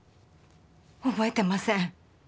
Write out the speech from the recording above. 覚えてません。